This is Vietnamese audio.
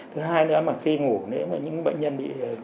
thứ hai nữa mà khi ngủ nếu mà những bệnh nhân bị